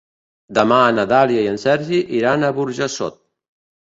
Demà na Dàlia i en Sergi iran a Burjassot.